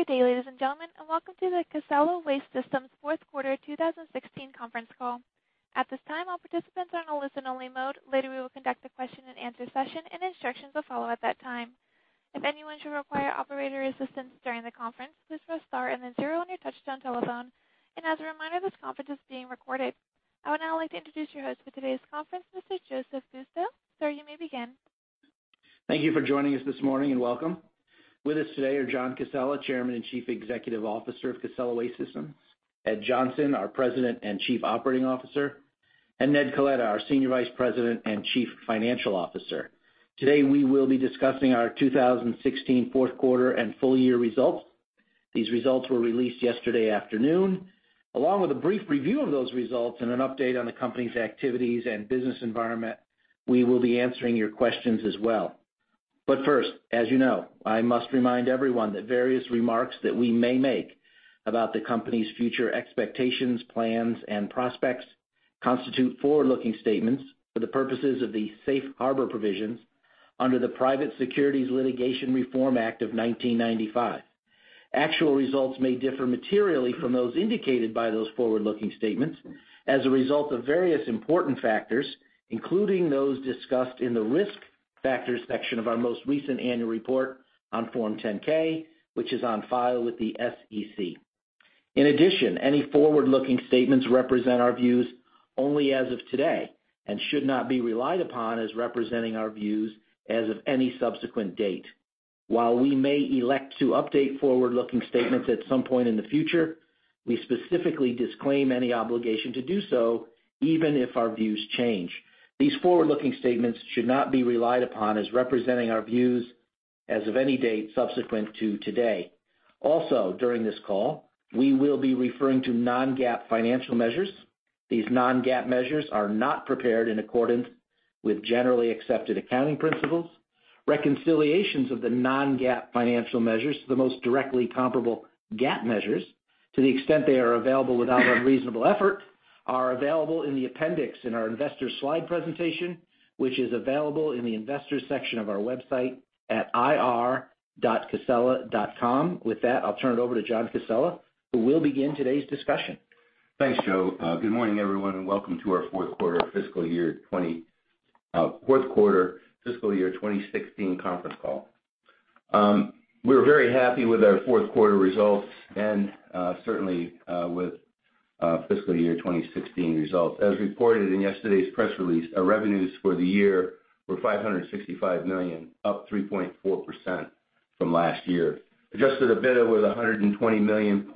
Good day, ladies and gentlemen, and welcome to the Casella Waste Systems fourth quarter 2016 conference call. At this time, all participants are in a listen-only mode. Later, we will conduct a question and answer session, and instructions will follow at that time. If anyone should require operator assistance during the conference, please press star and then zero on your touch-tone telephone. As a reminder, this conference is being recorded. I would now like to introduce your host for today's conference, Mr. Joseph Fusco. Sir, you may begin. Thank you for joining us this morning, and welcome. With us today are John Casella, Chairman and Chief Executive Officer of Casella Waste Systems, Ed Johnson, our President and Chief Operating Officer, and Ned Coletta, our Senior Vice President and Chief Financial Officer. Today, we will be discussing our 2016 fourth quarter and full year results. These results were released yesterday afternoon. Along with a brief review of those results and an update on the company's activities and business environment, we will be answering your questions as well. First, as you know, I must remind everyone that various remarks that we may make about the company's future expectations, plans, and prospects constitute forward-looking statements for the purposes of the Safe Harbor provisions under the Private Securities Litigation Reform Act of 1995. Actual results may differ materially from those indicated by those forward-looking statements as a result of various important factors, including those discussed in the Risk Factors section of our most recent annual report on Form 10-K, which is on file with the SEC. In addition, any forward-looking statements represent our views only as of today and should not be relied upon as representing our views as of any subsequent date. While we may elect to update forward-looking statements at some point in the future, we specifically disclaim any obligation to do so, even if our views change. These forward-looking statements should not be relied upon as representing our views as of any date subsequent to today. Also, during this call, we will be referring to non-GAAP financial measures. These non-GAAP measures are not prepared in accordance with generally accepted accounting principles. Reconciliations of the non-GAAP financial measures to the most directly comparable GAAP measures, to the extent they are available without unreasonable effort, are available in the appendix in our investor slide presentation, which is available in the Investors section of our website at ir.casella.com. With that, I'll turn it over to John Casella, who will begin today's discussion. Thanks, Joe. Good morning, everyone, and welcome to our fourth quarter fiscal year 2016 conference call. We are very happy with our fourth quarter results and certainly with fiscal year 2016 results. As reported in yesterday's press release, our revenues for the year were $565 million, up 3.4% from last year. Adjusted EBITDA was $120.6 million,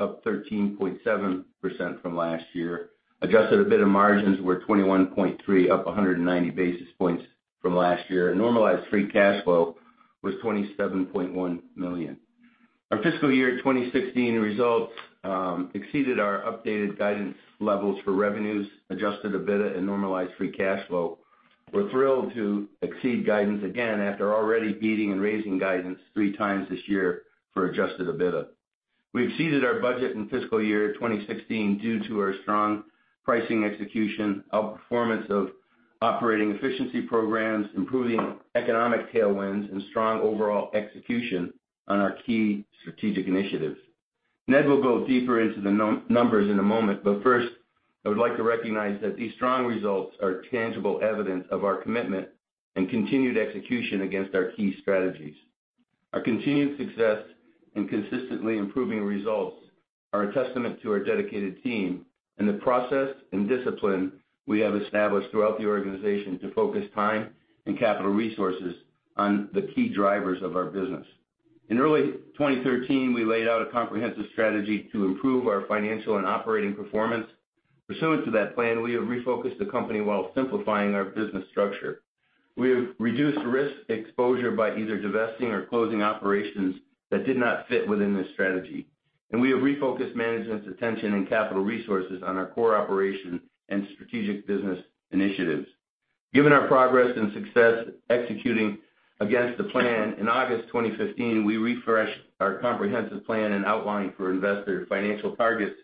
up 13.7% from last year. Adjusted EBITDA margins were 21.3%, up 190 basis points from last year. Normalized free cash flow was $27.1 million. Our fiscal year 2016 results exceeded our updated guidance levels for revenues, adjusted EBITDA, and normalized free cash flow. We're thrilled to exceed guidance again after already beating and raising guidance three times this year for adjusted EBITDA. We've exceeded our budget in fiscal year 2016 due to our strong pricing execution, outperformance of operating efficiency programs, improving economic tailwinds, and strong overall execution on our key strategic initiatives. Ned will go deeper into the numbers in a moment, but first, I would like to recognize that these strong results are tangible evidence of our commitment and continued execution against our key strategies. Our continued success and consistently improving results are a testament to our dedicated team and the process and discipline we have established throughout the organization to focus time and capital resources on the key drivers of our business. In early 2013, we laid out a comprehensive strategy to improve our financial and operating performance. Pursuant to that plan, we have refocused the company while simplifying our business structure. We have reduced risk exposure by either divesting or closing operations that did not fit within this strategy. We have refocused management's attention and capital resources on our core operations and strategic business initiatives. Given our progress and success executing against the plan, in August 2015, we refreshed our comprehensive plan and outlined for investors financial targets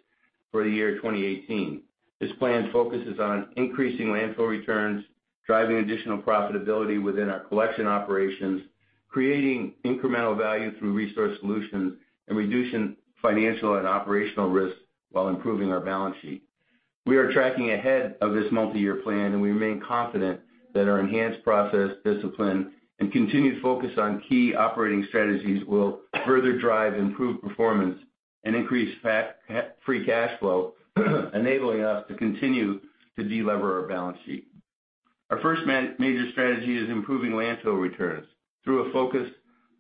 for the year 2018. This plan focuses on increasing landfill returns, driving additional profitability within our collection operations, creating incremental value through resource solutions, and reducing financial and operational risks while improving our balance sheet. We are tracking ahead of this multi-year plan, and we remain confident that our enhanced process discipline and continued focus on key operating strategies will further drive improved performance and increase free cash flow, enabling us to continue to de-lever our balance sheet. Our first major strategy is improving landfill returns through a focus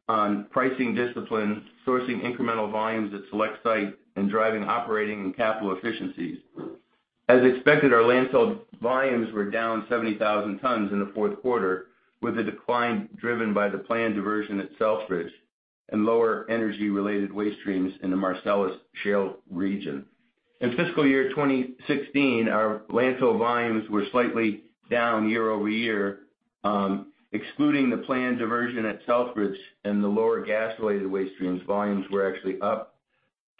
on pricing discipline, sourcing incremental volumes at select sites, and driving operating and capital efficiencies. As expected, our landfill volumes were down 70,000 tons in the fourth quarter, with the decline driven by the planned diversion at Southbridge and lower energy-related waste streams in the Marcellus Shale region. In fiscal year 2016, our landfill volumes were slightly down year-over-year. Excluding the planned diversion at Southbridge and the lower gas-related waste streams, volumes were actually up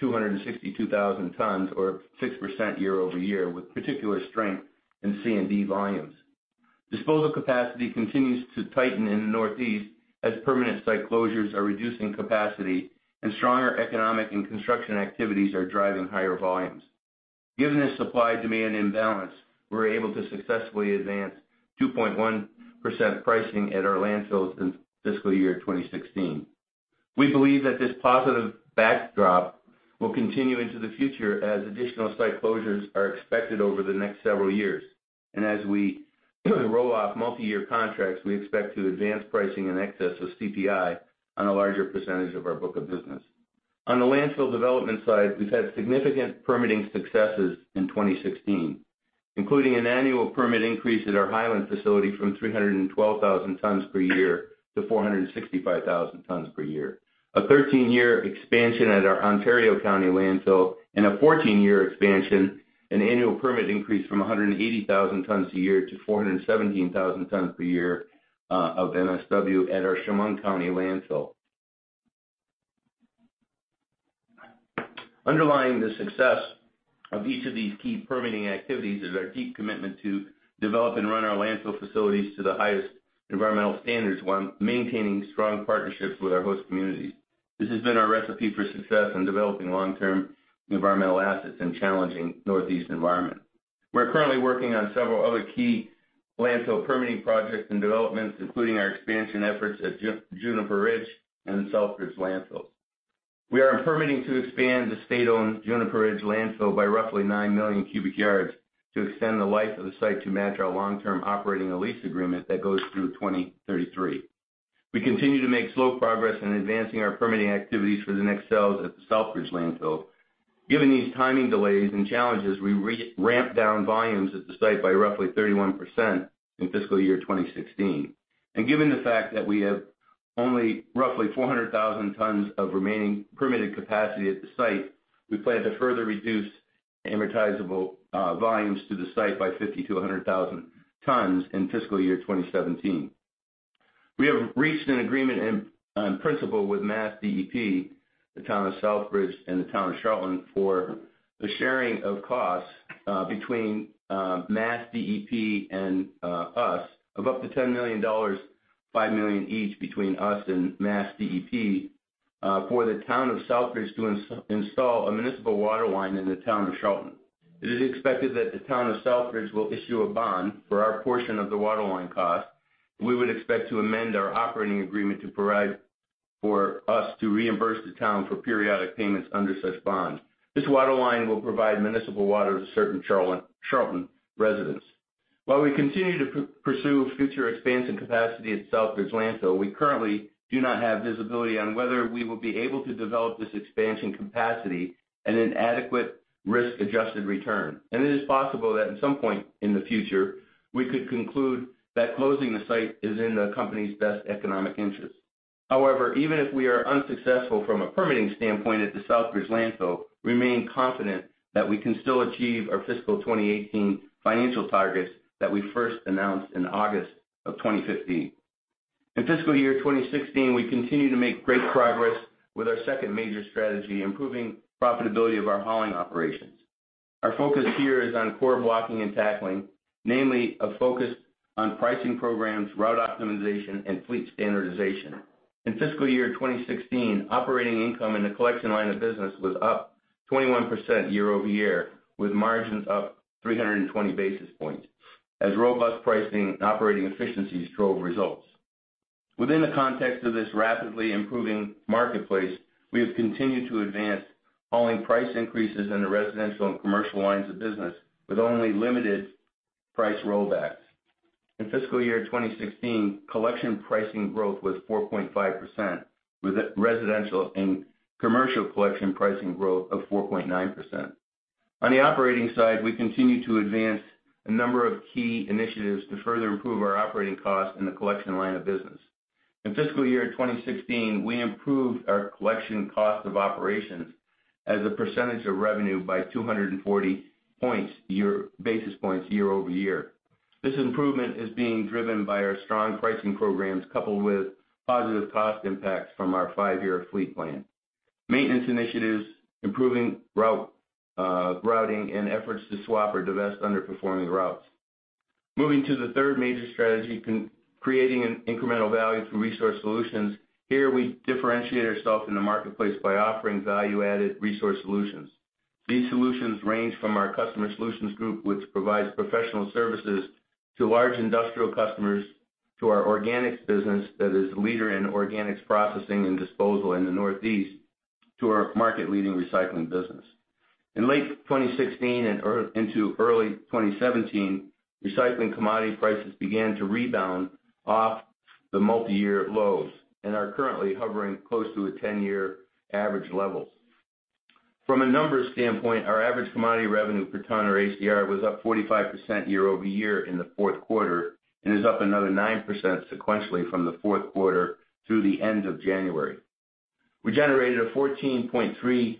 262,000 tons or 6% year-over-year, with particular strength in C&D volumes. Disposal capacity continues to tighten in the Northeast as permanent site closures are reducing capacity, and stronger economic and construction activities are driving higher volumes. Given this supply-demand imbalance, we were able to successfully advance 2.1% pricing at our landfills in fiscal year 2016. We believe that this positive backdrop will continue into the future as additional site closures are expected over the next several years. As we roll off multi-year contracts, we expect to advance pricing in excess of CPI on a larger percentage of our book of business. On the landfill development side, we've had significant permitting successes in 2016, including an annual permit increase at our Highland facility from 312,000 tons per year to 465,000 tons per year, a 13-year expansion at our Ontario County landfill, and a 14-year expansion, an annual permit increase from 180,000 tons a year to 417,000 tons per year of MSW at our Chemung County landfill. Underlying the success of each of these key permitting activities is our deep commitment to develop and run our landfill facilities to the highest environmental standards while maintaining strong partnerships with our host communities. This has been our recipe for success in developing long-term environmental assets in a challenging Northeast environment. We are currently working on several other key landfill permitting projects and developments, including our expansion efforts at Juniper Ridge and Southbridge landfills. We are permitting to expand the state-owned Juniper Ridge landfill by roughly 9 million cubic yards to extend the life of the site to match our long-term operating lease agreement that goes through 2033. We continue to make slow progress in advancing our permitting activities for the next cells at the Southbridge landfill. Given these timing delays and challenges, we ramped down volumes at the site by roughly 31% in fiscal year 2016. Given the fact that we have only roughly 400,000 tons of remaining permitted capacity at the site, we plan to further reduce amortizable volumes to the site by 50,000 to 100,000 tons in fiscal year 2017. We have reached an agreement in principle with MassDEP, the town of Southbridge, and the town of Charlton for the sharing of costs between MassDEP and us of up to $10 million, $5 million each between us and MassDEP, for the town of Southbridge to install a municipal water line in the town of Charlton. It is expected that the town of Southbridge will issue a bond for our portion of the water line cost. We would expect to amend our operating agreement to provide for us to reimburse the town for periodic payments under such bond. This water line will provide municipal water to certain Charlton residents. While we continue to pursue future expansion capacity at Southbridge Landfill, we currently do not have visibility on whether we will be able to develop this expansion capacity at an adequate risk-adjusted return. It is possible that at some point in the future, we could conclude that closing the site is in the company's best economic interest. However, even if we are unsuccessful from a permitting standpoint at the Southbridge landfill, we remain confident that we can still achieve our fiscal 2018 financial targets that we first announced in August of 2015. In fiscal year 2016, we continued to make great progress with our second major strategy, improving profitability of our hauling operations. Our focus here is on core blocking and tackling, namely a focus on pricing programs, route optimization, and fleet standardization. In fiscal year 2016, operating income in the collection line of business was up 21% year-over-year, with margins up 320 basis points as robust pricing and operating efficiencies drove results. Within the context of this rapidly improving marketplace, we have continued to advance hauling price increases in the residential and commercial lines of business with only limited price rollbacks. In fiscal year 2016, collection pricing growth was 4.5%, with residential and commercial collection pricing growth of 4.9%. On the operating side, we continued to advance a number of key initiatives to further improve our operating costs in the collection line of business. In fiscal year 2016, we improved our collection cost of operations as a percentage of revenue by 240 basis points year-over-year. This improvement is being driven by our strong pricing programs, coupled with positive cost impacts from our five-year fleet plan, maintenance initiatives, improving routing, and efforts to swap or divest underperforming routes. Moving to the third major strategy, creating incremental value through resource solutions. Here we differentiate ourselves in the marketplace by offering value-added resource solutions. These solutions range from our customer solutions group, which provides professional services to large industrial customers, to our organics business that is the leader in organics processing and disposal in the Northeast, to our market-leading recycling business. In late 2016 and into early 2017, recycling commodity prices began to rebound off the multi-year lows and are currently hovering close to the 10-year average levels. From a numbers standpoint, our average commodity revenue per ton, or ACR, was up 45% year-over-year in the fourth quarter and is up another 9% sequentially from the fourth quarter through the end of January. We generated a 14.3%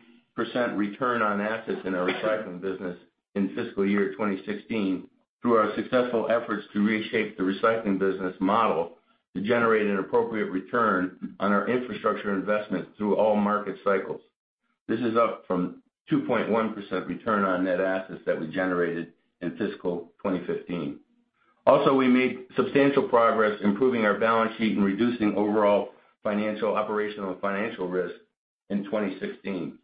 return on assets in our recycling business in fiscal year 2016 through our successful efforts to reshape the recycling business model to generate an appropriate return on our infrastructure investment through all market cycles. This is up from 2.1% return on net assets that we generated in fiscal 2015. Also, we made substantial progress improving our balance sheet and reducing overall financial, operational, and financial risk in 2016.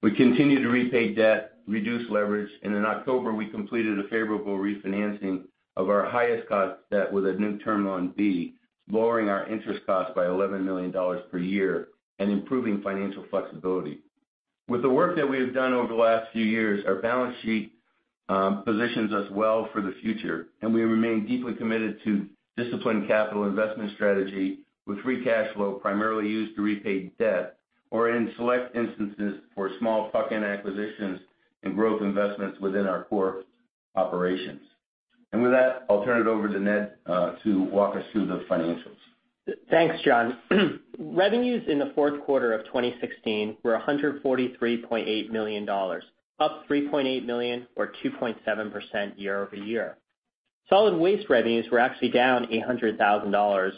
We continued to repay debt, reduce leverage, and in October, we completed a favorable refinancing of our highest cost debt with a new Term Loan B, lowering our interest cost by $11 million per year and improving financial flexibility. With the work that we have done over the last few years, our balance sheet positions us well for the future, and we remain deeply committed to disciplined capital investment strategy with free cash flow primarily used to repay debt, or in select instances, for small plug-in acquisitions and growth investments within our core operations. With that, I'll turn it over to Ned to walk us through the financials. Thanks, John. Revenues in the fourth quarter of 2016 were $143.8 million, up $3.8 million or 2.7% year-over-year. Solid waste revenues were actually down $800,000,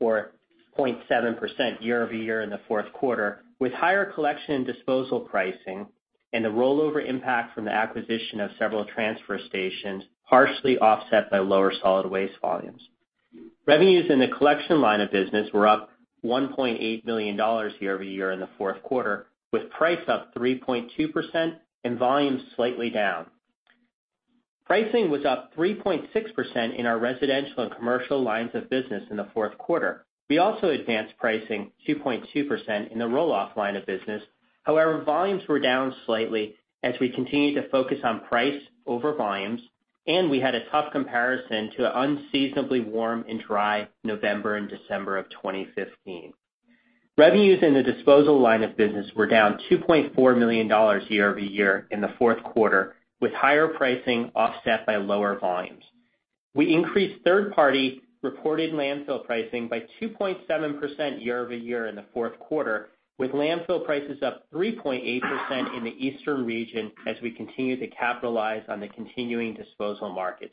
or 0.7% year-over-year in the fourth quarter, with higher collection and disposal pricing and the rollover impact from the acquisition of several transfer stations, partially offset by lower solid waste volumes. Revenues in the collection line of business were up $1.8 million year-over-year in the fourth quarter, with price up 3.2% and volumes slightly down. Pricing was up 3.6% in our residential and commercial lines of business in the fourth quarter. We also advanced pricing 2.2% in the roll-off line of business. However, volumes were down slightly as we continued to focus on price over volumes, and we had a tough comparison to an unseasonably warm and dry November and December of 2015. Revenues in the disposal line of business were down $2.4 million year-over-year in the fourth quarter, with higher pricing offset by lower volumes. We increased third-party reported landfill pricing by 2.7% year-over-year in the fourth quarter, with landfill prices up 3.8% in the eastern region as we continue to capitalize on the continuing disposal market.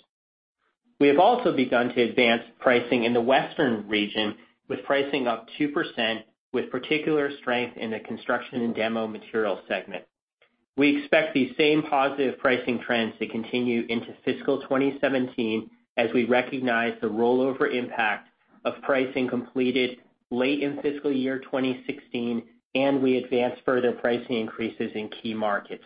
We have also begun to advance pricing in the western region, with pricing up 2%, with particular strength in the construction and demo material segment. We expect these same positive pricing trends to continue into fiscal 2017 as we recognize the rollover impact of pricing completed late in fiscal year 2016, and we advance further pricing increases in key markets.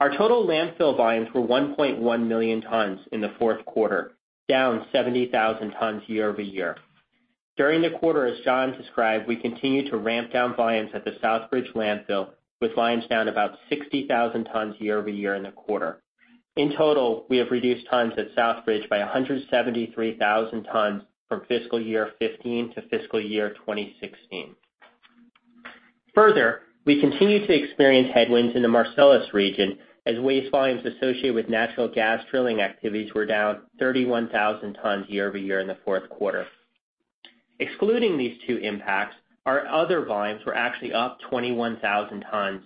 Our total landfill volumes were 1.1 million tons in the fourth quarter, down 70,000 tons year-over-year. During the quarter, as John described, we continued to ramp down volumes at the Southbridge landfill, with volumes down about 60,000 tons year-over-year in the quarter. In total, we have reduced tons at Southbridge by 173,000 tons from fiscal year 2015 to fiscal year 2016. Further, we continue to experience headwinds in the Marcellus region as waste volumes associated with natural gas drilling activities were down 31,000 tons year-over-year in the fourth quarter. Excluding these two impacts, our other volumes were actually up 21,000 tons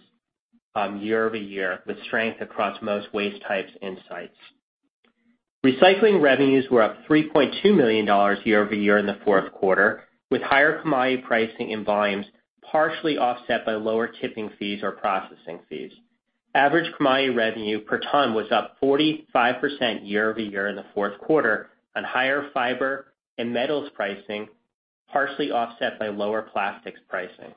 year-over-year, with strength across most waste types and sites. Recycling revenues were up $3.2 million year-over-year in the fourth quarter, with higher commodity pricing and volumes partially offset by lower tipping fees or processing fees. Average commodity revenue per ton was up 45% year-over-year in the fourth quarter on higher fiber and metals pricing, partially offset by lower plastics pricing.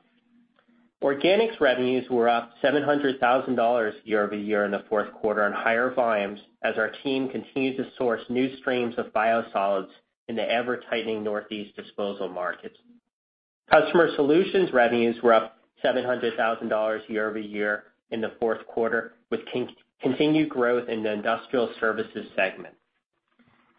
Organics revenues were up $700,000 year-over-year in the fourth quarter on higher volumes as our team continues to source new streams of biosolids in the ever-tightening Northeast disposal markets. Customer Solutions revenues were up $700,000 year-over-year in the fourth quarter with continued growth in the industrial services segment.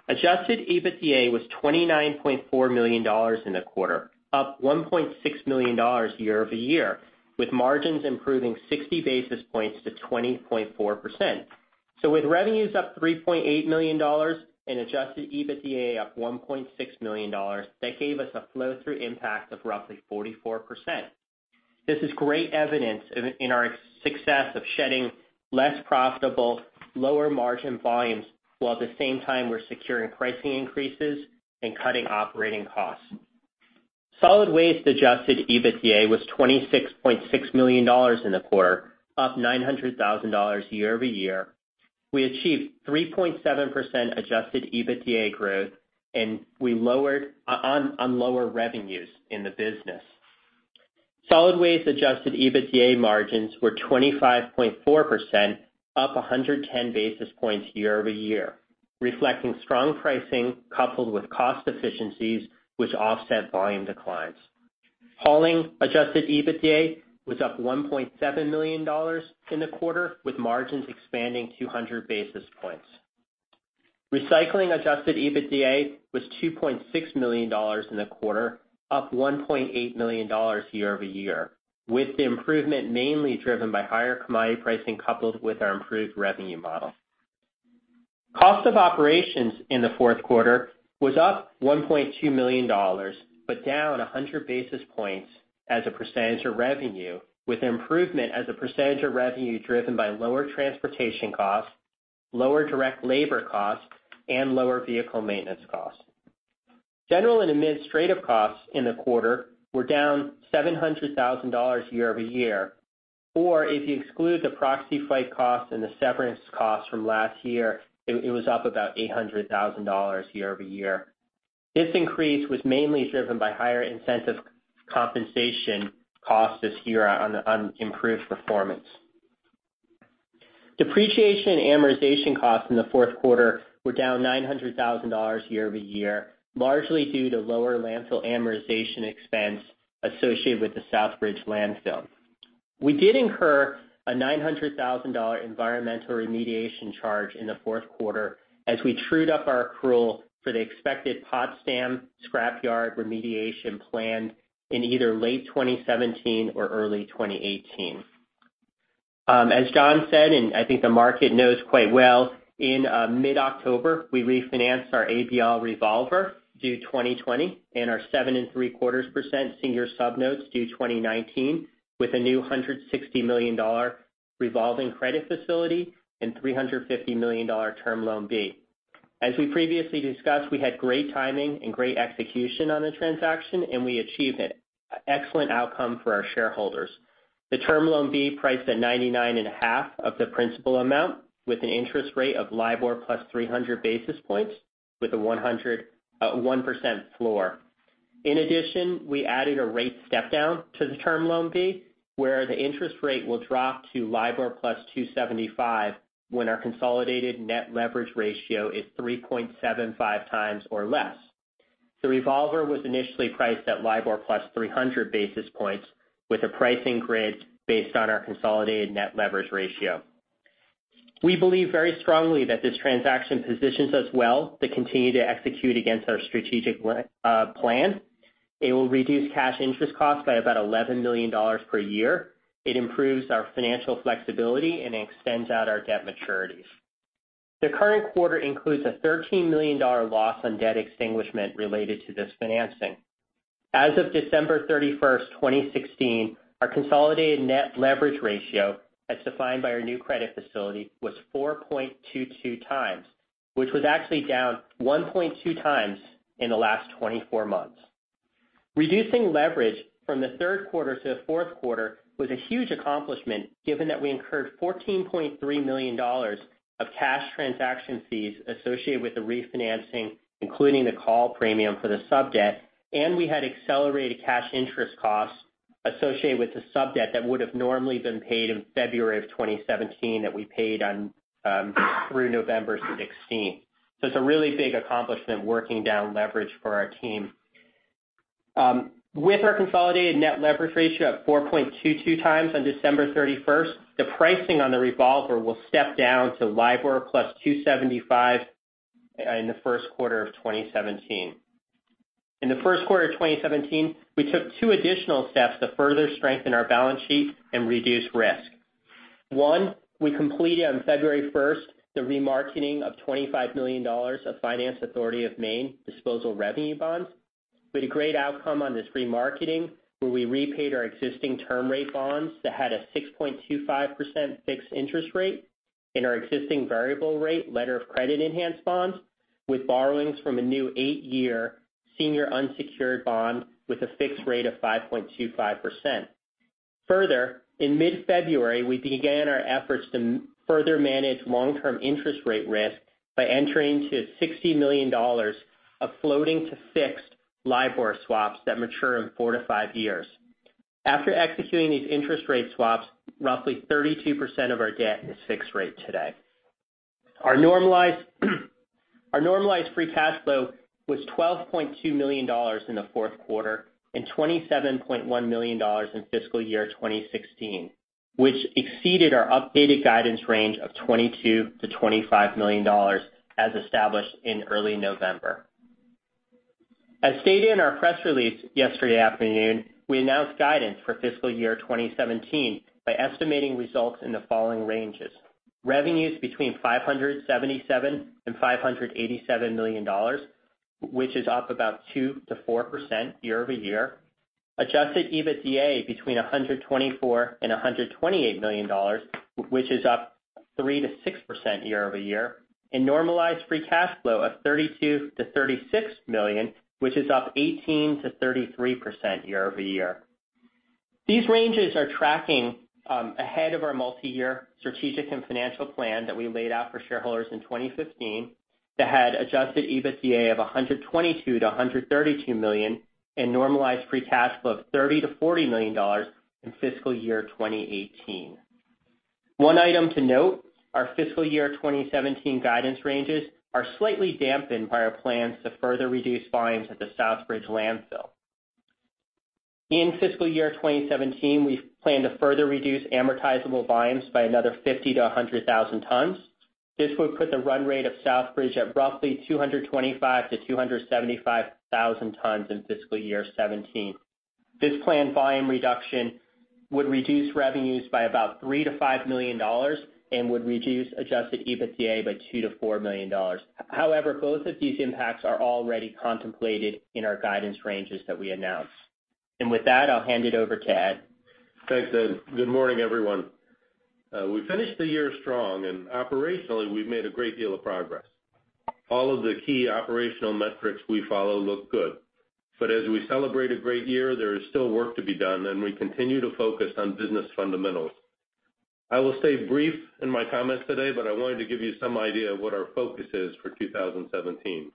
Adjusted EBITDA was $29.4 million in the quarter, up $1.6 million year-over-year, with margins improving 60 basis points to 20.4%. With revenues up $3.8 million and adjusted EBITDA up $1.6 million, that gave us a flow-through impact of roughly 44%. This is great evidence in our success of shedding less profitable, lower margin volumes, while at the same time we're securing pricing increases and cutting operating costs. Solid waste adjusted EBITDA was $26.6 million in the quarter, up $900,000 year-over-year. We achieved 3.7% adjusted EBITDA growth on lower revenues in the business. Solid waste adjusted EBITDA margins were 25.4%, up 110 basis points year-over-year, reflecting strong pricing coupled with cost efficiencies, which offset volume declines. Hauling adjusted EBITDA was up $1.7 million in the quarter, with margins expanding 200 basis points. Recycling adjusted EBITDA was $2.6 million in the quarter, up $1.8 million year-over-year, with the improvement mainly driven by higher commodity pricing coupled with our improved revenue model. Cost of operations in the fourth quarter was up $1.2 million, but down 100 basis points as a percentage of revenue, with improvement as a percentage of revenue driven by lower transportation costs, lower direct labor costs, and lower vehicle maintenance costs. General and administrative costs in the quarter were down $700,000 year-over-year, or if you exclude the proxy fight costs and the severance costs from last year, it was up about $800,000 year-over-year. This increase was mainly driven by higher incentive compensation costs this year on improved performance. Depreciation and amortization costs in the fourth quarter were down $900,000 year-over-year, largely due to lower landfill amortization expense associated with the Southbridge Landfill. We did incur a $900,000 environmental remediation charge in the fourth quarter as we trued up our accrual for the expected Potsdam scrap yard remediation planned in either late 2017 or early 2018. As John said, and I think the market knows quite well, in mid-October, we refinanced our ABL revolver due 2020 and our 7.75% senior sub notes due 2019 with a new $160 million revolving credit facility and $350 million Term Loan B. As we previously discussed, we had great timing and great execution on the transaction, and we achieved an excellent outcome for our shareholders. The Term Loan B priced at 99.5 of the principal amount with an interest rate of LIBOR plus 300 basis points with a 1% floor. In addition, we added a rate step down to the Term Loan B where the interest rate will drop to LIBOR plus 275 when our consolidated net leverage ratio is 3.75 times or less. The revolver was initially priced at LIBOR plus 300 basis points with a pricing grid based on our consolidated net leverage ratio. We believe very strongly that this transaction positions us well to continue to execute against our strategic plan. It will reduce cash interest costs by about $11 million per year. It improves our financial flexibility and extends out our debt maturities. The current quarter includes a $13 million loss on debt extinguishment related to this financing. As of December 31st, 2016, our consolidated net leverage ratio, as defined by our new credit facility, was 4.22 times, which was actually down 1.2 times in the last 24 months. Reducing leverage from the third quarter to the fourth quarter was a huge accomplishment, given that we incurred $14.3 million of cash transaction fees associated with the refinancing, including the call premium for the sub-debt, and we had accelerated cash interest costs associated with the sub-debt that would have normally been paid in February of 2017 that we paid on through November 16th. It's a really big accomplishment working down leverage for our team. With our consolidated net leverage ratio at 4.22 times on December 31st, the pricing on the revolver will step down to LIBOR plus 275 in the first quarter of 2017. In the first quarter of 2017, we took two additional steps to further strengthen our balance sheet and reduce risk. One, we completed on February 1st the remarketing of $25 million of Finance Authority of Maine disposal revenue bonds. We had a great outcome on this remarketing, where we repaid our existing term rate bonds that had a 6.25% fixed interest rate and our existing variable rate letter of credit-enhanced bonds with borrowings from a new eight-year senior unsecured bond with a fixed rate of 5.25%. Further, in mid-February, we began our efforts to further manage long-term interest rate risk by entering to $60 million of floating to fixed LIBOR swaps that mature in four to five years. After executing these interest rate swaps, roughly 32% of our debt is fixed rate today. Our normalized free cash flow was $12.2 million in the fourth quarter and $27.1 million in fiscal year 2016, which exceeded our updated guidance range of $22 million-$25 million as established in early November. As stated in our press release yesterday afternoon, we announced guidance for fiscal year 2017 by estimating results in the following ranges: revenues between $577 million and $587 million, which is up about 2%-4% year-over-year, adjusted EBITDA between $124 million and $128 million, which is up 3%-6% year-over-year, and normalized free cash flow of $32 million-$36 million, which is up 18%-33% year-over-year. These ranges are tracking ahead of our multi-year strategic and financial plan that we laid out for shareholders in 2015 that had adjusted EBITDA of $122 million-$132 million and normalized free cash flow of $30 million-$40 million in fiscal year 2018. One item to note, our fiscal year 2017 guidance ranges are slightly dampened by our plans to further reduce volumes at the Southbridge Landfill. In fiscal year 2017, we plan to further reduce amortizable volumes by another 50,000-100,000 tons. This would put the run rate of Southbridge at roughly 225,000-275,000 tons in fiscal year 2017. This planned volume reduction would reduce revenues by about $3 million-$5 million and would reduce adjusted EBITDA by $2 million-$4 million. Both of these impacts are already contemplated in our guidance ranges that we announced. With that, I'll hand it over to Ed. Thanks, Ed. Good morning, everyone. We finished the year strong. Operationally, we've made a great deal of progress. All of the key operational metrics we follow look good. As we celebrate a great year, there is still work to be done. We continue to focus on business fundamentals. I will stay brief in my comments today, I wanted to give you some idea of what our focus is for 2017.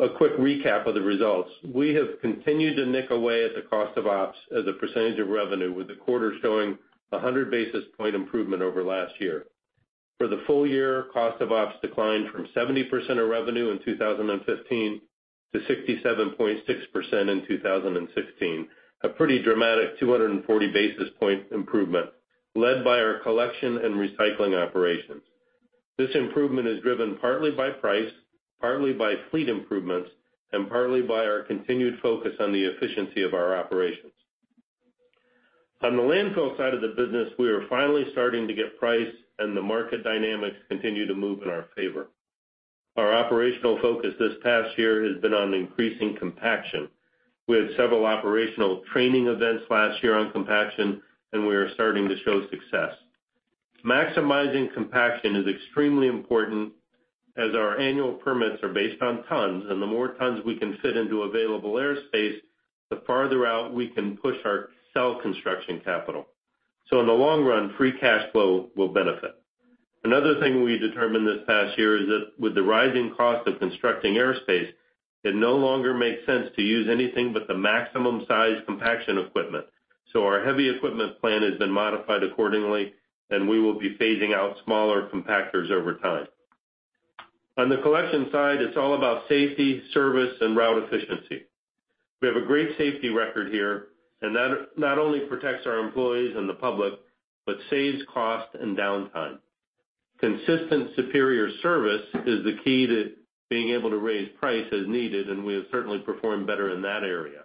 A quick recap of the results. We have continued to nick away at the cost of ops as a percentage of revenue, with the quarter showing a 100-basis point improvement over last year. For the full year, cost of ops declined from 70% of revenue in 2015 to 67.6% in 2016. A pretty dramatic 240-basis point improvement led by our collection and recycling operations. This improvement is driven partly by price, partly by fleet improvements, and partly by our continued focus on the efficiency of our operations. On the landfill side of the business, we are finally starting to get price, and the market dynamics continue to move in our favor. Our operational focus this past year has been on increasing compaction. We had several operational training events last year on compaction, and we are starting to show success. Maximizing compaction is extremely important as our annual permits are based on tons, and the more tons we can fit into available airspace, the farther out we can push our cell construction capital. In the long run, free cash flow will benefit. Another thing we determined this past year is that with the rising cost of constructing airspace, it no longer makes sense to use anything but the maximum size compaction equipment. Our heavy equipment plan has been modified accordingly, and we will be phasing out smaller compactors over time. On the collection side, it's all about safety, service, and route efficiency. We have a great safety record here, and that not only protects our employees and the public but saves cost and downtime. Consistent superior service is the key to being able to raise price as needed, and we have certainly performed better in that area.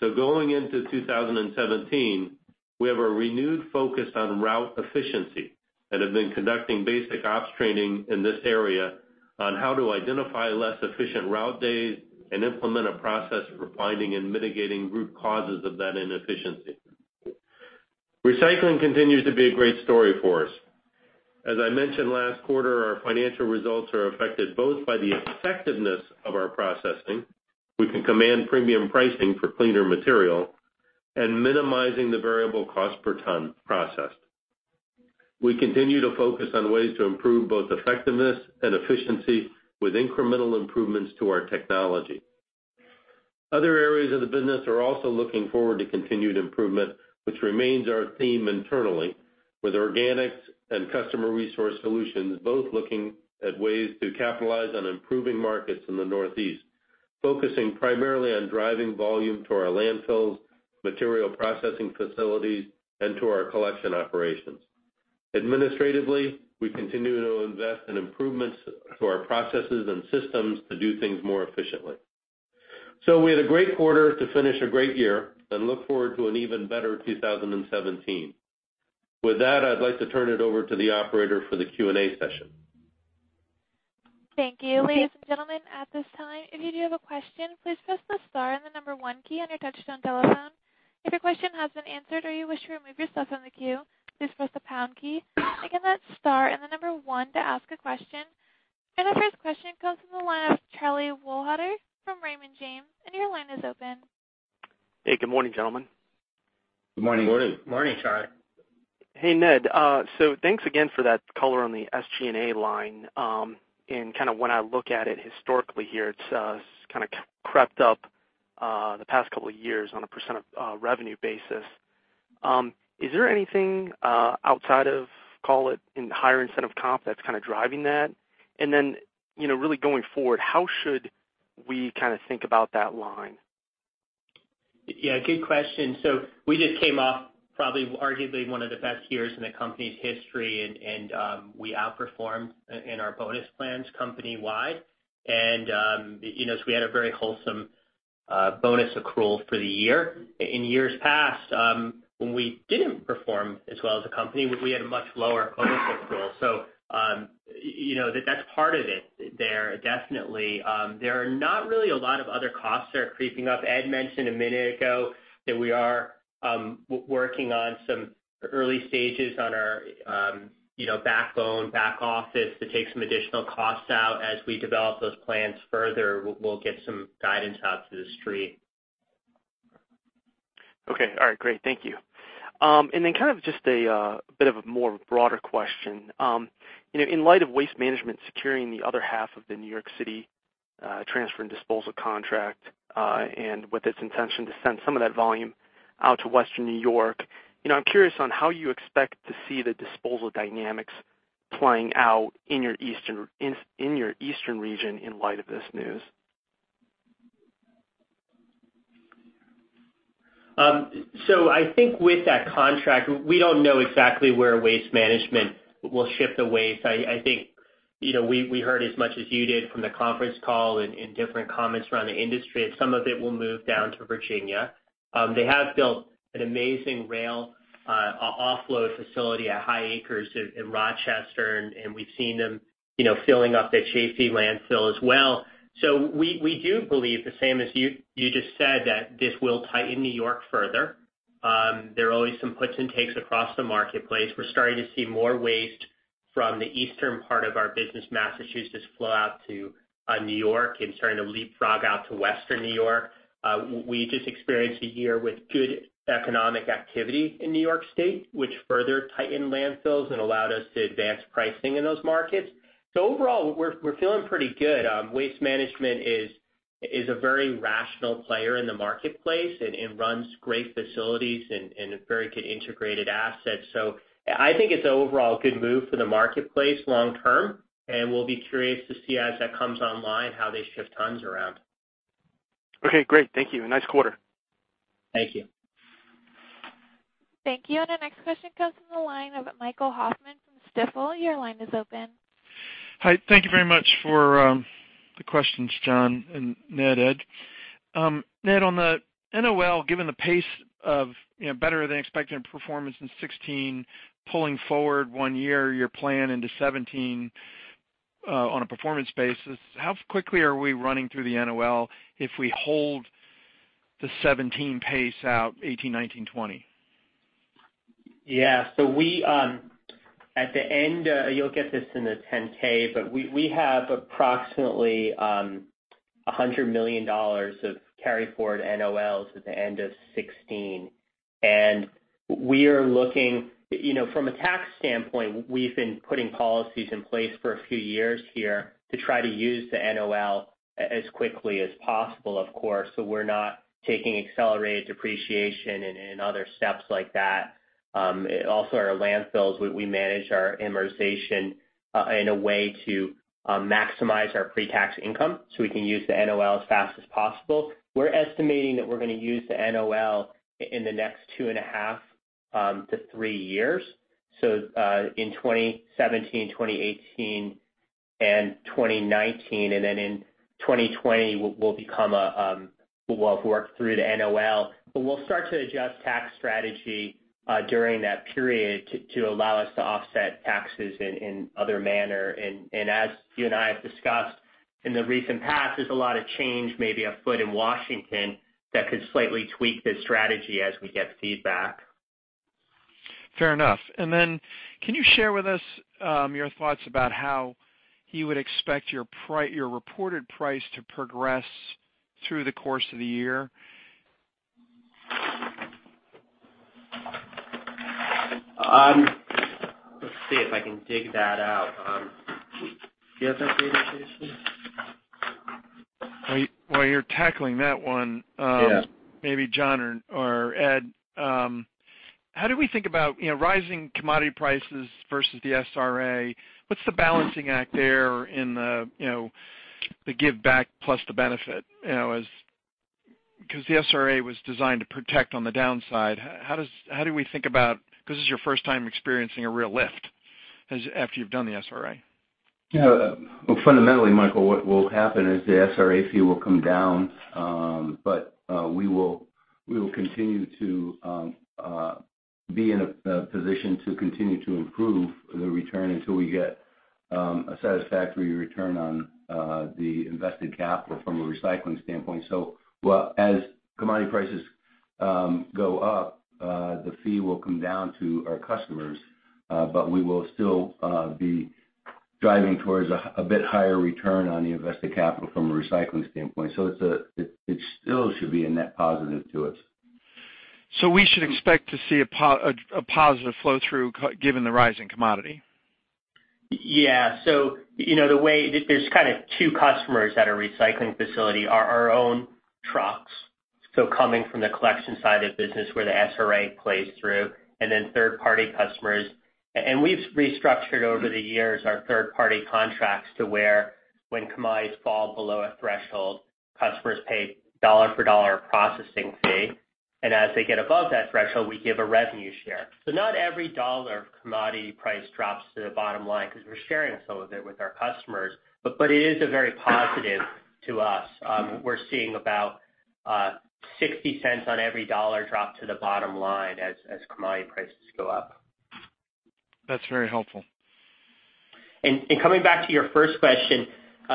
Going into 2017, we have a renewed focus on route efficiency and have been conducting basic ops training in this area on how to identify less efficient route days and implement a process for finding and mitigating root causes of that inefficiency. Recycling continues to be a great story for us. As I mentioned last quarter, our financial results are affected both by the effectiveness of our processing, we can command premium pricing for cleaner material, and minimizing the variable cost per ton processed. We continue to focus on ways to improve both effectiveness and efficiency with incremental improvements to our technology. Other areas of the business are also looking forward to continued improvement, which remains our theme internally with organics and customer resource solutions, both looking at ways to capitalize on improving markets in the Northeast, focusing primarily on driving volume to our landfills, material processing facilities, and to our collection operations. Administratively, we continue to invest in improvements to our processes and systems to do things more efficiently. We had a great quarter to finish a great year and look forward to an even better 2017. With that, I'd like to turn it over to the operator for the Q&A session. Thank you. Ladies and gentlemen, at this time, if you do have a question, please press the star and the number 1 key on your touchtone telephone. If your question has been answered or you wish to remove yourself from the queue, please press the pound key. Again, that's star and the number 1 to ask a question. The first question comes from the line of Tyler Brown from Raymond James, and your line is open. Hey, good morning, gentlemen. Good morning. Good morning. Morning, Charlie. Hey, Ned. Thanks again for that color on the SG&A line. When I look at it historically here, it's crept up the past couple of years on a % of revenue basis. Is there anything outside of, call it, higher incentive comp that's kind of driving that? Really going forward, how should we think about that line? Yeah, good question. We just came off probably arguably one of the best years in the company's history, and we outperformed in our bonus plans companywide. We had a very wholesome bonus accrual for the year. In years past, when we didn't perform as well as a company, we had a much lower bonus accrual. That's part of it there, definitely. There are not really a lot of other costs that are creeping up. Ed mentioned a minute ago that we are working on some early stages on our backbone, back office to take some additional costs out. As we develop those plans further, we'll get some guidance out to the street. Okay. All right, great. Thank you. Kind of just a bit of a more broader question. In light of Waste Management securing the other half of the New York City transfer and disposal contract, and with its intention to send some of that volume out to Western New York, I'm curious on how you expect to see the disposal dynamics playing out in your Eastern region in light of this news. I think with that contract, we don't know exactly where Waste Management will ship the waste. I think we heard as much as you did from the conference call and different comments around the industry that some of it will move down to Virginia. They have built an amazing rail offload facility at High Acres in Rochester, and we've seen them filling up their Chaffee Landfill as well. We do believe the same as you just said, that this will tighten New York further. There are always some puts and takes across the marketplace. We're starting to see more waste from the eastern part of our business, Massachusetts flow out to New York and starting to leapfrog out to Western New York. We just experienced a year with good economic activity in New York State, which further tightened landfills and allowed us to advance pricing in those markets. Overall, we're feeling pretty good. Waste Management is a very rational player in the marketplace and runs great facilities and a very good integrated asset. I think it's an overall good move for the marketplace long term, and we'll be curious to see as that comes online, how they shift tons around. Okay, great. Thank you. Nice quarter. Thank you. Thank you. Our next question comes from the line of Michael Hoffman from Stifel. Your line is open. Hi. Thank you very much for the questions, John and Ned, Ed. Ned, on the NOL, given the pace of better-than-expected performance in 2016, pulling forward one year your plan into 2017, on a performance basis, how quickly are we running through the NOL if we hold the 2017 pace out 2018, 2019, 2020? Yeah. At the end, you'll get this in the 10-K, but we have approximately $100 million of carry-forward NOLs at the end of 2016. From a tax standpoint, we've been putting policies in place for a few years here to try to use the NOL as quickly as possible, of course, so we're not taking accelerated depreciation and other steps like that. Also, our landfills, we manage our amortization in a way to maximize our pre-tax income so we can use the NOL as fast as possible. We're estimating that we're going to use the NOL in the next two and a half, to three years. So, in 2017, 2018, and 2019, and then in 2020, we'll have worked through the NOL. We'll start to adjust tax strategy during that period to allow us to offset taxes in other manner. As you and I have discussed in the recent past, there's a lot of change maybe afoot in Washington that could slightly tweak this strategy as we get feedback. Fair enough. Can you share with us your thoughts about how you would expect your reported price to progress through the course of the year? Let's see if I can dig that out. Do you have that data, Casey? While you're tackling that one- Yeah maybe John or Ed, how do we think about rising commodity prices versus the SRA? What's the balancing act there in the give back plus the benefit? Because the SRA was designed to protect on the downside. How do we think about this is your first time experiencing a real lift after you've done the SRA. Michael, fundamentally, what will happen is the SRA fee will come down, but we will continue to be in a position to continue to improve the return until we get a satisfactory return on the invested capital from a recycling standpoint. As commodity prices go up, the fee will come down to our customers, but we will still be driving towards a bit higher return on the invested capital from a recycling standpoint. It still should be a net positive to us. We should expect to see a positive flow through given the rise in commodity? There's kind of two customers at a recycling facility. Our own trucks, coming from the collection side of the business where the SRA plays through, and then third-party customers. We've restructured over the years our third-party contracts to where when commodities fall below a threshold, customers pay dollar for dollar processing fee. As they get above that threshold, we give a revenue share. Not every dollar of commodity price drops to the bottom line because we're sharing some of it with our customers. It is a very positive to us. We're seeing about $0.60 on every dollar drop to the bottom line as commodity prices go up. That's very helpful. Coming back to your first question,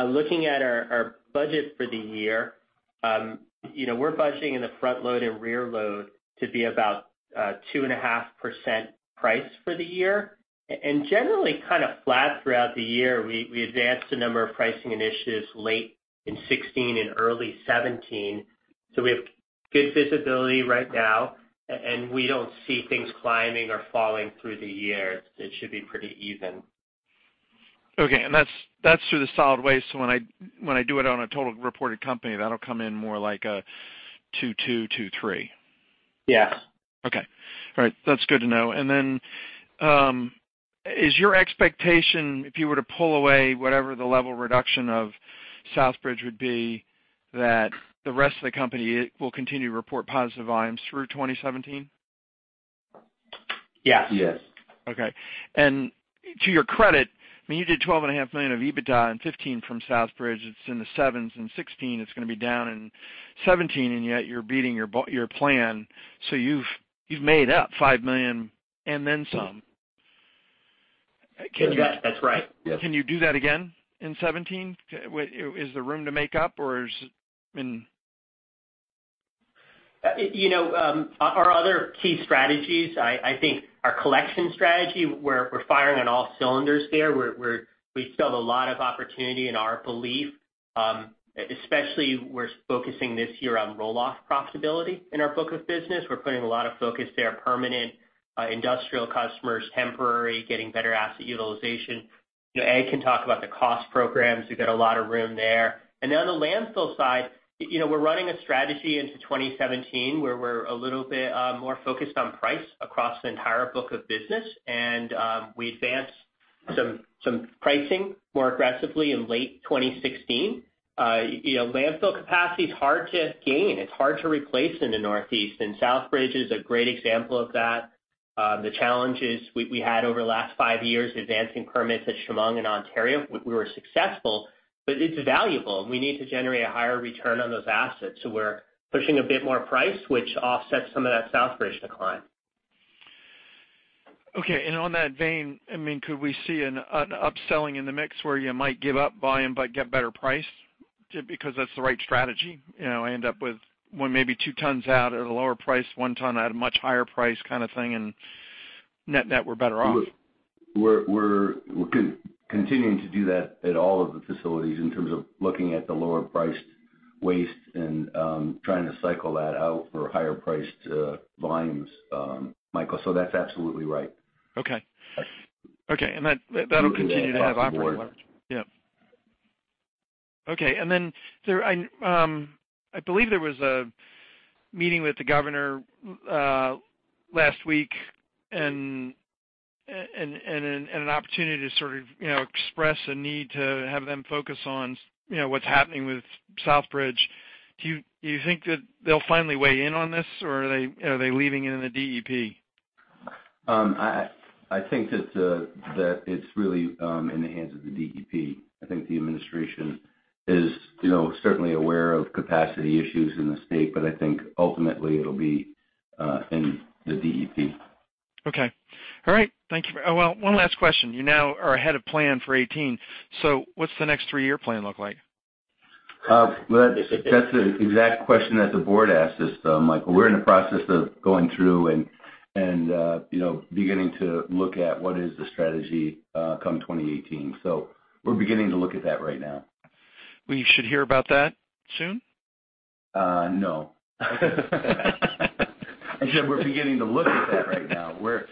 looking at our budget for the year, we're budgeting in the front load and rear load to be about 2.5% price for the year. Generally kind of flat throughout the year. We advanced a number of pricing initiatives late in 2016 and early 2017. We have good visibility right now, and we don't see things climbing or falling through the year. It should be pretty even. Okay. That's through the solid waste, so when I do it on a total reported company, that'll come in more like a 2.2%, 2.3%. Yeah. Okay. All right. That's good to know. Is your expectation, if you were to pull away whatever the level reduction of Southbridge would be, that the rest of the company will continue to report positive volumes through 2017? Yes. Yes. Okay. To your credit, I mean, you did $12.5 million of EBITDA in 2015 from Southbridge. It's in the sevens in 2016. It's going to be down in 2017, and yet you're beating your plan. You've made up $5 million and then some. That's right. Yes. Can you do that again in 2017? Is there room to make up, or is it been- Our other key strategies, I think our collection strategy, we're firing on all cylinders there. We still have a lot of opportunity in our belief, especially we're focusing this year on roll-off profitability in our book of business. We're putting a lot of focus there, permanent industrial customers, temporary, getting better asset utilization. Ed can talk about the cost programs. We've got a lot of room there. On the landfill side, we're running a strategy into 2017 where we're a little bit more focused on price across the entire book of business. We advanced some pricing more aggressively in late 2016. Landfill capacity is hard to gain. It's hard to replace in the Northeast, and Southbridge is a great example of that. The challenges we had over the last five years, advancing permits at Chemung and Ontario, we were successful, but it's valuable, and we need to generate a higher return on those assets. We're pushing a bit more price, which offsets some of that Southbridge decline. Okay, on that vein, could we see an upselling in the mix where you might give up volume but get better price because that's the right strategy? I end up with one, maybe two tons out at a lower price, one ton at a much higher price kind of thing, and net, we're better off. We're continuing to do that at all of the facilities in terms of looking at the lower-priced waste and trying to cycle that out for higher priced volumes, Michael. That's absolutely right. Okay. Yes. Okay, that'll continue to have operating leverage. Yeah. Okay. I believe there was a meeting with the governor last week and an opportunity to sort of express a need to have them focus on what's happening with Southbridge. Do you think that they'll finally weigh in on this, or are they leaving it in the DEP? I think that it's really in the hands of the DEP. I think the administration is certainly aware of capacity issues in the state, I think ultimately it'll be in the DEP. Okay. All right. Thank you. One last question. You now are ahead of plan for 2018. What's the next three-year plan look like? That's the exact question that the board asked us, Michael. We're in the process of going through and beginning to look at what is the strategy come 2018. We're beginning to look at that right now. We should hear about that soon? No. I said we're beginning to look at that right now. We're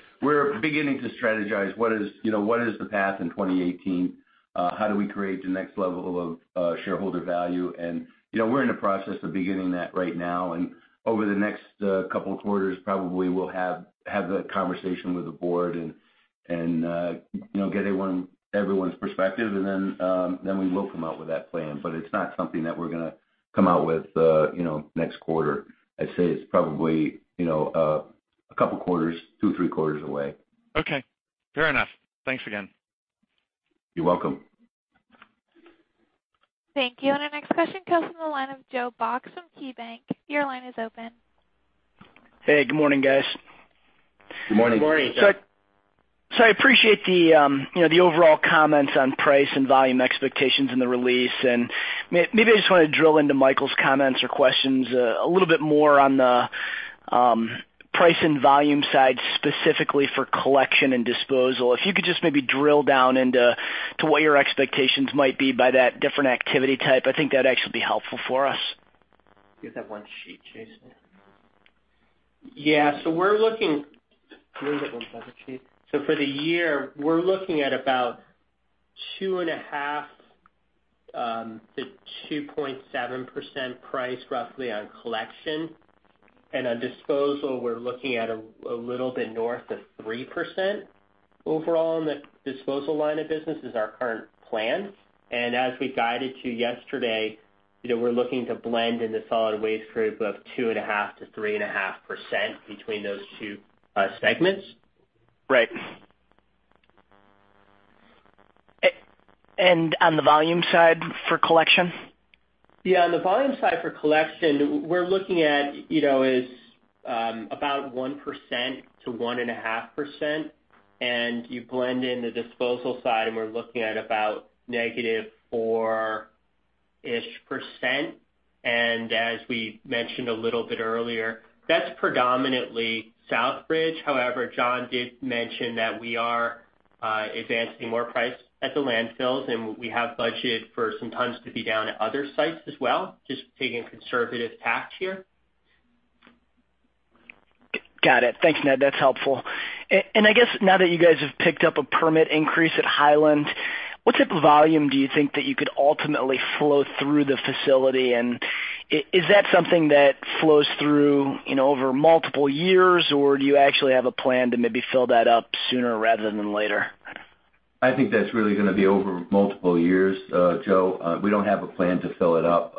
beginning to strategize what is the path in 2018? How do we create the next level of shareholder value? We're in the process of beginning that right now, over the next couple of quarters, probably we'll have that conversation with the board and get everyone's perspective, then we will come out with that plan. It's not something that we're going to come out with next quarter. I'd say it's probably a couple of quarters, two, three quarters away. Okay. Fair enough. Thanks again. You're welcome. Thank you. Our next question comes from the line of Joe Box from KeyBanc. Your line is open. Hey, good morning, guys. Good morning. Good morning, Joe. I appreciate the overall comments on price and volume expectations in the release, and maybe I just want to drill into Michael's comments or questions a little bit more on the price and volume side, specifically for collection and disposal. If you could just maybe drill down into what your expectations might be by that different activity type, I think that'd actually be helpful for us. You have that one sheet, Jason? Yeah. We're looking Where's that one other sheet? For the year, we're looking at about 2.5% to 2.7% price roughly on collection. On disposal, we're looking at a little bit north of 3% overall in the disposal line of business is our current plan. As we guided to yesterday, we're looking to blend in the solid waste group of 2.5% to 3.5% between those two segments. Right. On the volume side for collection? Yeah, on the volume side for collection, we're looking at is about 1% to 1.5%, you blend in the disposal side, we're looking at about negative four-ish percent. As we mentioned a little bit earlier, that's predominantly Southbridge. However, John did mention that we are advancing more price at the landfills, we have budget for some tons to be down at other sites as well, just taking a conservative tack here. Got it. Thanks, Ned. That's helpful. I guess now that you guys have picked up a permit increase at Highland, what type of volume do you think that you could ultimately flow through the facility? Is that something that flows through over multiple years, or do you actually have a plan to maybe fill that up sooner rather than later? I think that's really going to be over multiple years, Joe. We don't have a plan to fill it up.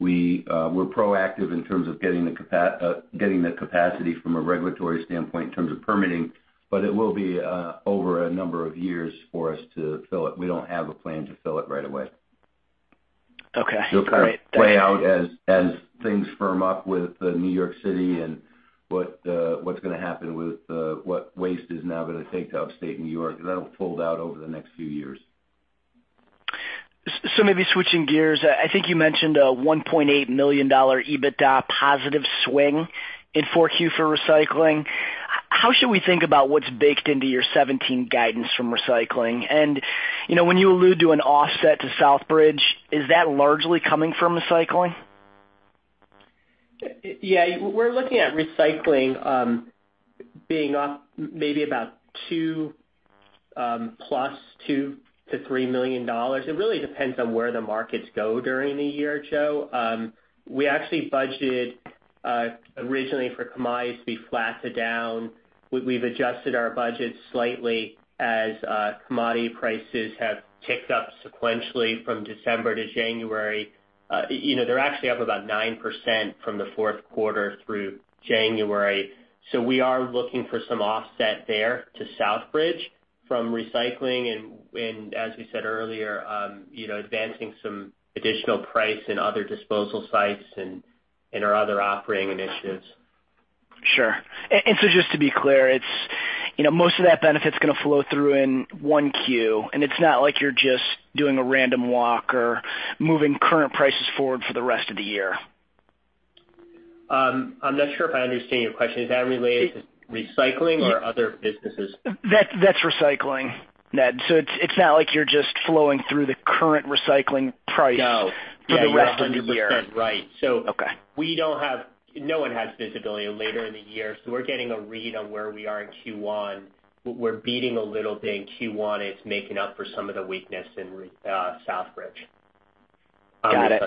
We're proactive in terms of getting the capacity from a regulatory standpoint in terms of permitting, but it will be over a number of years for us to fill it. We don't have a plan to fill it right away. Okay. Great. It'll kind of play out as things firm up with the New York City and what's going to happen with what waste is now going to take to upstate New York, that'll fold out over the next few years. Maybe switching gears, I think you mentioned a $1.8 million EBITDA positive swing in 4Q for recycling. How should we think about what is baked into your 2017 guidance from recycling? And when you allude to an offset to Southbridge, is that largely coming from recycling? Yeah. We are looking at recycling being up maybe about $2 million to $3 million. It really depends on where the markets go during the year, Joe. We actually budgeted, originally, for commodity to be flat to down. We have adjusted our budget slightly as commodity prices have ticked up sequentially from December to January. They are actually up about 9% from the fourth quarter through January. We are looking for some offset there to Southbridge from recycling and as we said earlier, advancing some additional price in other disposal sites and our other operating initiatives. Sure. Just to be clear, most of that benefit is going to flow through in 1Q, and it is not like you are just doing a random walk or moving current prices forward for the rest of the year? I am not sure if I understand your question. Is that related to recycling or other businesses? That's recycling, Ned. It's not like you're just flowing through the current recycling price- No. -for the rest of the year. You're 100% right. Okay. No one has visibility later in the year, we're getting a read on where we are in Q1. We're beating a little bit in Q1. It's making up for some of the weakness in Southbridge. Got it.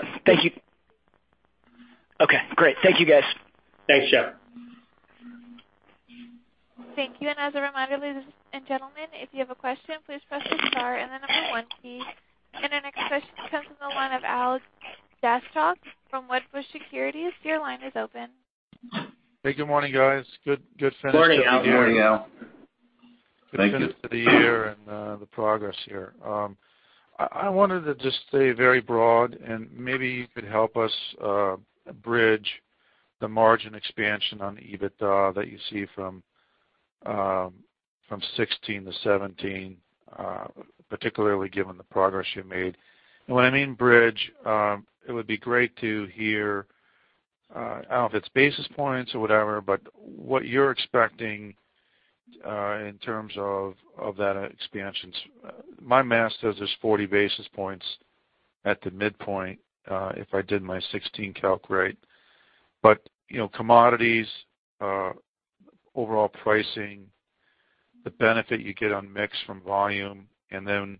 Okay, great. Thank you, guys. Thanks, Joe. Thank you. As a reminder, ladies and gentlemen, if you have a question, please press the star and the number one key. Our next question comes from the line of Al Kaschalk from Wedbush Securities, your line is open. Hey, good morning, guys. Good finish to the year. Good morning, Al. Good finish to the year and the progress here. I wanted to just stay very broad, and maybe you could help us bridge the margin expansion on the EBITDA that you see from 2016 to 2017, particularly given the progress you made. When I mean bridge, it would be great to hear, I don't know if it's basis points or whatever, but what you're expecting in terms of that expansion. My math says there's 40 basis points at the midpoint, if I did my 2016 calc right. Commodities, overall pricing, the benefit you get on mix from volume, and then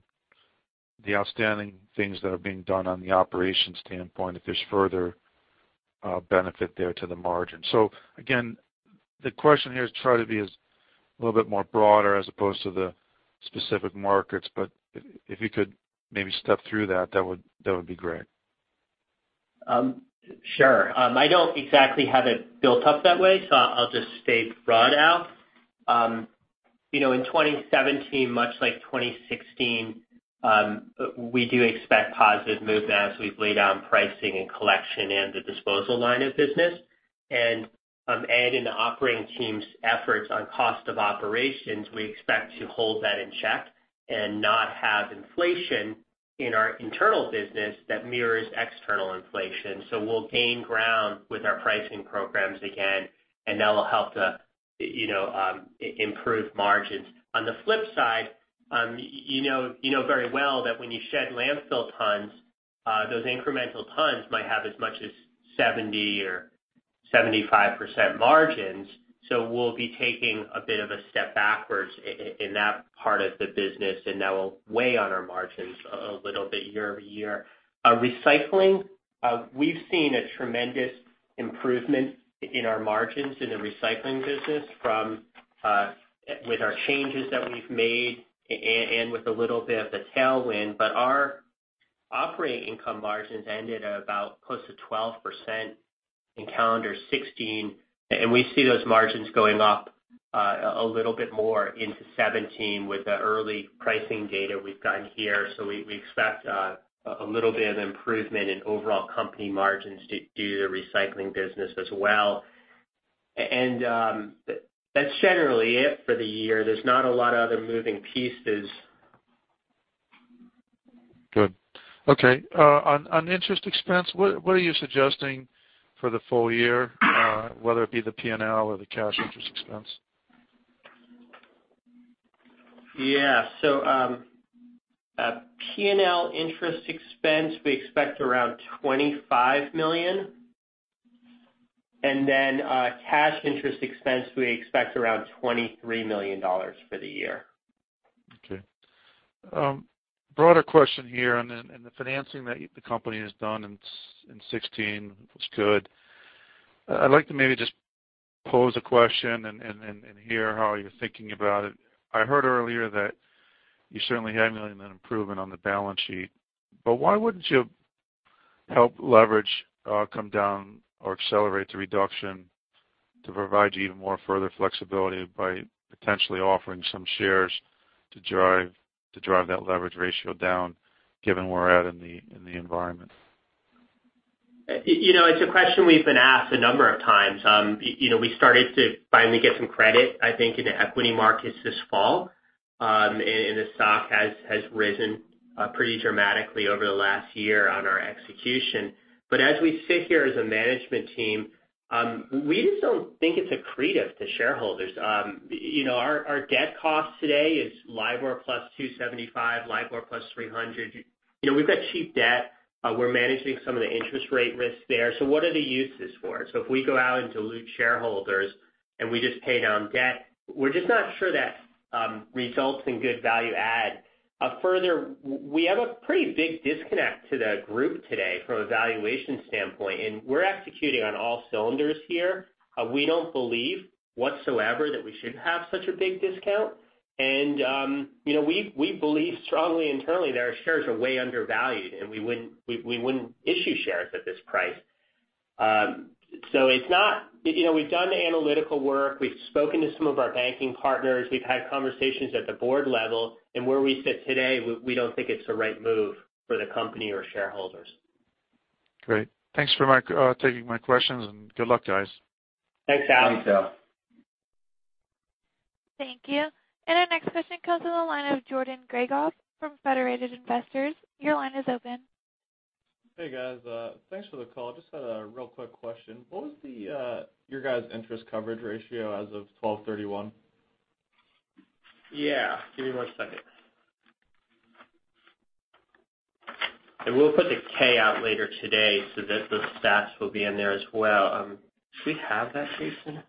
the outstanding things that are being done on the operations standpoint, if there's further benefit there to the margin. Again, the question here is try to be as a little bit more broader as opposed to the specific markets, but if you could maybe step through that would be great. Sure. I don't exactly have it built up that way, I'll just stay broad, Al. In 2017, much like 2016, we do expect positive movement as we've laid out in pricing and collection and the disposal line of business. In the operating team's efforts on cost of operations, we expect to hold that in check and not have inflation in our internal business that mirrors external inflation. We'll gain ground with our pricing programs again, and that'll help to improve margins. On the flip side, you know very well that when you shed landfill tons, those incremental tons might have as much as 70% or 75% margins. We'll be taking a bit of a step backwards in that part of the business, and that will weigh on our margins a little bit year-over-year. Recycling, we've seen a tremendous improvement in our margins in the recycling business with our changes that we've made and with a little bit of the tailwind, but our operating income margins ended about close to 12% in calendar 2016. We see those margins going up a little bit more into 2017 with the early pricing data we've gotten here. We expect a little bit of improvement in overall company margins due to recycling business as well. That's generally it for the year. There's not a lot of other moving pieces. Good. Okay. On interest expense, what are you suggesting for the full year? Whether it be the P&L or the cash interest expense? Yeah. P&L interest expense, we expect around $25 million. Cash interest expense, we expect around $23 million for the year. Okay. Broader question here on the financing that the company has done in 2016, it was good. I'd like to maybe just pose a question and hear how you're thinking about it. I heard earlier that you certainly [had million] in improvement on the balance sheet, why wouldn't you help leverage come down or accelerate the reduction to provide you even more further flexibility by potentially offering some shares to drive that leverage ratio down given where we're at in the environment? It's a question we've been asked a number of times. We started to finally get some credit, I think, in the equity markets this fall. The stock has risen pretty dramatically over the last year on our execution. As we sit here as a management team, we just don't think it's accretive to shareholders. Our debt cost today is LIBOR plus 275, LIBOR plus 300. We've got cheap debt. We're managing some of the interest rate risks there. What are the uses for it? If we go out and dilute shareholders and we just pay down debt, we're just not sure that results in good value add. Further, we have a pretty big disconnect to the group today from a valuation standpoint, and we're executing on all cylinders here. We don't believe whatsoever that we should have such a big discount. We believe strongly internally that our shares are way undervalued and we wouldn't issue shares at this price. We've done the analytical work, we've spoken to some of our banking partners, we've had conversations at the board level, and where we sit today, we don't think it's the right move for the company or shareholders. Great. Thanks for taking my questions, and good luck, guys. Thanks, Al. Thanks, Tom. Thank you. Our next question comes from the line of Jordan Gregov from Federated Investors. Your line is open. Hey, guys. Thanks for the call. I just had a real quick question. What was your guys' interest coverage ratio as of 12/31? Yeah. Give me one second. We'll put the K out later today so that the stats will be in there as well. Do we have that, Jason?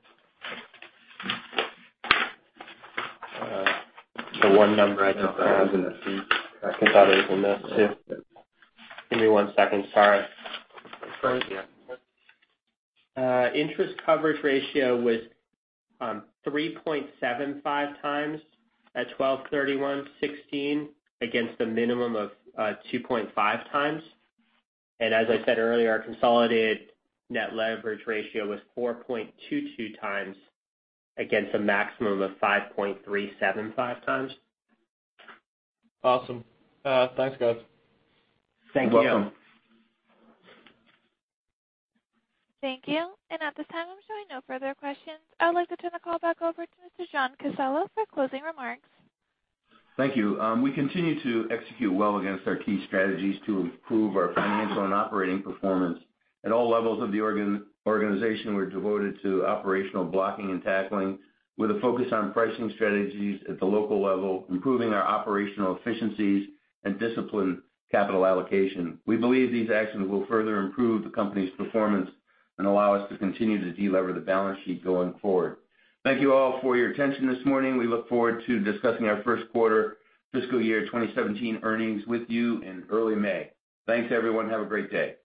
The one number I don't have. I think that was in [the C]. I thought it was in this, too. Give me one second. Sorry. No worries. Interest coverage ratio was 3.75 times at 12/31/2016 against a minimum of 2.5 times. As I said earlier, our consolidated net leverage ratio was 4.22 times against a maximum of 5.375 times. Awesome. Thanks, guys. Thank you. You're welcome. Thank you. At this time, I'm showing no further questions. I would like to turn the call back over to Mr. John Casella for closing remarks. Thank you. We continue to execute well against our key strategies to improve our financial and operating performance. At all levels of the organization, we're devoted to operational blocking and tackling with a focus on pricing strategies at the local level, improving our operational efficiencies, and disciplined capital allocation. We believe these actions will further improve the company's performance and allow us to continue to de-lever the balance sheet going forward. Thank you all for your attention this morning. We look forward to discussing our first quarter fiscal year 2017 earnings with you in early May. Thanks, everyone. Have a great day.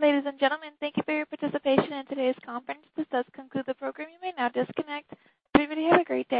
Ladies and gentlemen, thank you for your participation in today's conference. This does conclude the program. You may now disconnect. Everybody have a great day.